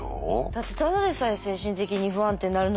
だってただでさえ精神的に不安定になるのに。